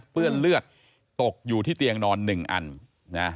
เลือดตกอยู่ที่เตียงนอนหนึ่งอันนะ